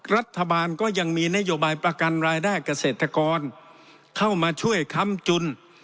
รัฐบาลก็ยังมีนโยบายประกันรายได้เกษตรกรเข้ามาช่วยค้ำจุน